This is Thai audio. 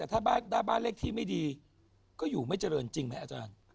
แต่ถ้าบ้านเลขที่ไม่ดีก็อยู่ไม่เจริญจริงไหมอาจารย์